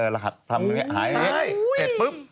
รหัสทำเหนือหายใช่